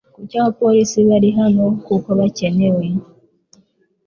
Kuki abapolisi bari hano kuko bikenewe